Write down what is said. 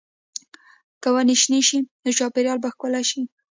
که ونې شنې شي، نو چاپېریال به ښکلی شي.